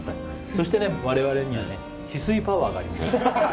そして、我々にはヒスイパワーがあります。